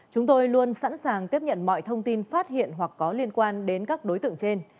chúng tôi luôn sẵn sàng tiếp nhận mọi thông tin phát hiện hoặc có liên quan đến các đối tượng trên